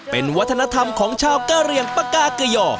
เป็นวัฒนธรรมของชาวเกรียงปากาเกย่